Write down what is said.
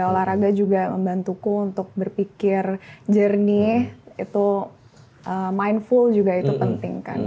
olahraga juga membantuku untuk berpikir jernih itu mindful juga itu penting kan